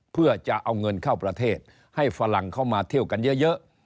เพื่อจะเอาเงินเข้าประเทศให้ฝรั่งเข้ามาเที่ยวกันเยอะ